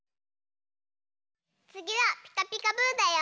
つぎは「ピカピカブ！」だよ！